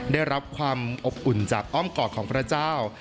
ได้รับความอบอุ่นจากอ้อมกอดของพระเจ้า